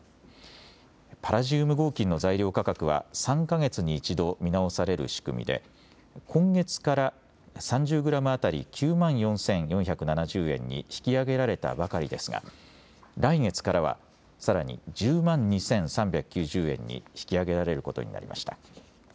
パラジウム合金の材料価格は３か月に１度見直される仕組みで今月から３０グラム当たり９万４４７０円に引き上げられたばかりですが来月からはさらに１０万２３９０円に引き上げられることになりました。